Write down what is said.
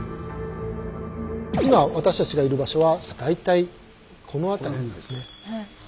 今私たちがいる場所は大体この辺りになるんですね。